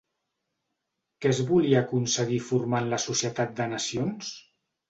Què es volia aconseguir formant la Societat de Nacions?